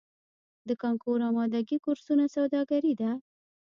د کانکور امادګۍ کورسونه سوداګري ده؟